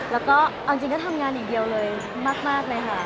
แล้วก็เอาจริงก็ทำงานอย่างเดียวเลยมากเลยค่ะ